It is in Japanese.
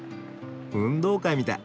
運動会みたい。